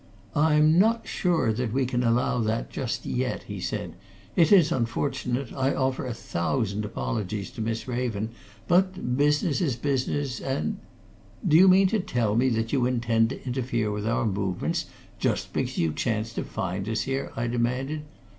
"I'm not sure that we can allow that, just yet," he said. "It is unfortunate I offer a thousand apologies to Miss Raven, but business is business, and " "Do you mean to tell me that you intend to interfere with our movements, just because you chance to find us here?" I demanded.